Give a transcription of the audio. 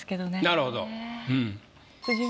なるほど。